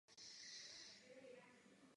Hru také můžete hrát po internetu.